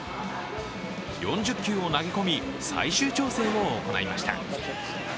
４０球を投げ込み最終調整を行いました。